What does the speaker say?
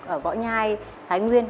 ở võ nhai thái nguyên